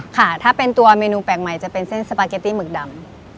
ค่ะถ้าเป็นตัวเมนูแปลกใหม่จะเป็นเส้นสปาเกตตี้หมึกดำ